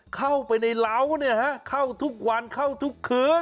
เข้าไปในเหล้าเนี่ยฮะเข้าทุกวันเข้าทุกคืน